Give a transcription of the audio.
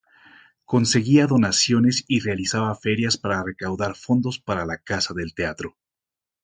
Conseguía donaciones y realizaba ferias para recaudar fondos para la Casa del Teatro.